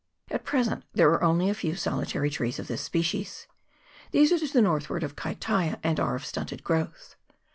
At present there are only a few solitary trees of this species ; these are to the northward of Kai taia, and are of stunted growth.